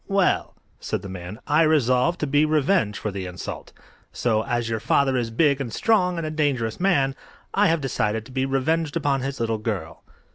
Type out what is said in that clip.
Well," said the man, "I resolved to be revenged for the insult. So, as your father is big and strong and a dangerous man, I have decided to be revenged upon his little girl."